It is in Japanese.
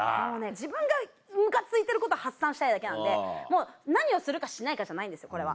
自分がムカついてること発散したいだけなんでもう何をするかしないかじゃないんですこれは。